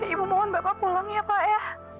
ibu mohon bapak pulang ya pak ya